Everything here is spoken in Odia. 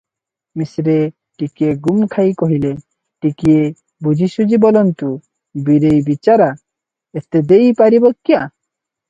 ମିଶ୍ରେ ଟିକିଏ ଗୁମ୍ ଖାଇ କହିଲେ, ଟିକିଏ ବୁଝିସୁଝି ବୋଲନ୍ତୁ, ବୀରେଇ ବିଚରା ଏତେ ଦେଇ ପାରିବ କ୍ୟାଁ?